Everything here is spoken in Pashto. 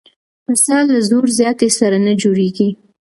پسه له زور زیاتي سره نه جوړېږي.